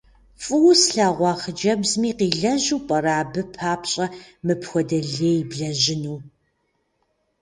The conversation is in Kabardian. ФӀыуэ слъэгъуа хъыджэбзми къилэжьу пӀэрэ абы папщӀэ мыпхуэдэ лей блэжьыну?